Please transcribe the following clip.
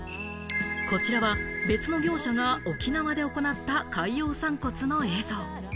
こちらは別の業者が沖縄で行った海洋散骨の映像。